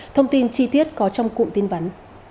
thông tin chi tiết có trong cụm tin vấn